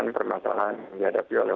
yang terakhir pak sandi dari saya